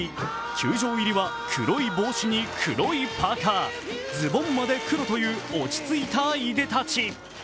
球場入りは黒い帽子に黒いパーカー、ズボンまで黒という落ち着いたいでたち。